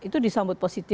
itu disambut posisi